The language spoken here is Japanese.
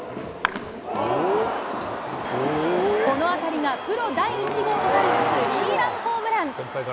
この当たりがプロ第１号となるスリーランホームラン。